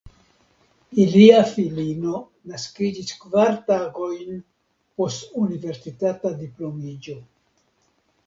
Ilia filino naskiĝis kvar tagojn post universitata diplomiĝo.